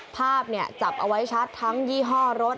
ภาพจับเอาไว้ชัดทั้งยี่ห้อรถ